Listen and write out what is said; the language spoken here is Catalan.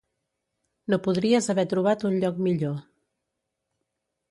No podries haver trobat un lloc millor.